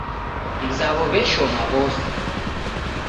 Mzawo w'eshoma w'ose.